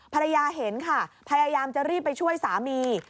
ภรรยาเห็นค่ะพยายามจะรีบไปช่วยสามี